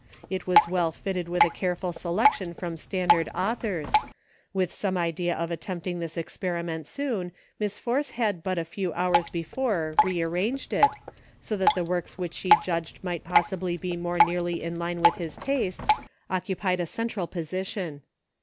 It was well filled with a careful selection from standard authors ; with some idea of attempt ing this experiment soon. Miss Force had but a few hours before rearranged it, so that the books which she judged might possibly be more nearly in line with his tastes occupied a central position.